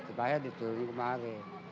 terpahaya diturunin kemari